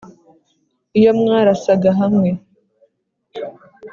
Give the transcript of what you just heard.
iyo mwarasaga hamwe ?